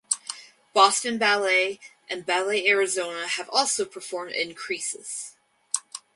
Boston Ballet and Ballet Arizona have also performed "In Creases".